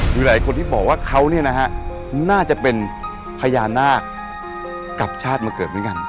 มีหลายคนที่บอกว่าเขาน่าจะเป็นพญานาคกลับชาติมาเกิดเหมือนกัน